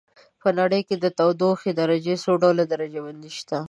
په نړۍ کې د تودوخې د درجې څو ډول درجه بندي شته.